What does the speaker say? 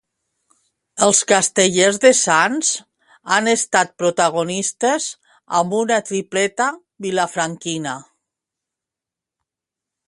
Els Castellers de Sants han estat protagonistes amb una tripleta vilafranquina.